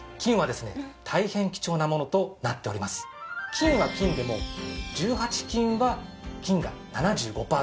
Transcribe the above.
金は金でも１８金は金が７５パーセント。